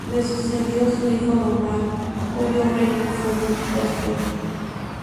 Le sucedió su hijo Domar, cuyo reino fue muy próspero.